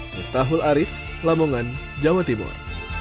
miftahul arief lamongan jawa timur